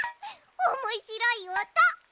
おもしろいおと。